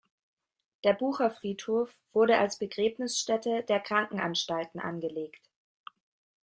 Der Bucher Friedhof wurde als Begräbnisstätte der Krankenanstalten angelegt.